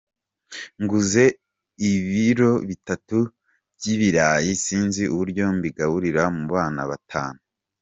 Nguze ibiro bitatu by’ibirayi sinzi uburyo mbigabura mu bana batanu.